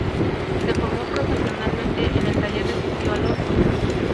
Se formó profesionalmente en el taller de su tío Alonso.